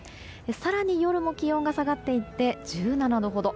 更に夜も気温が下がっていって１７度ほど。